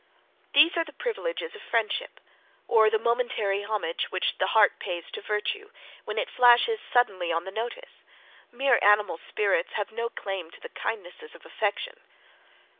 These are the privileges of friendship, or the momentary homage which the heart pays to virtue, when it flashes suddenly on the notice mere animal spirits have no claim to the kindnesses of affection.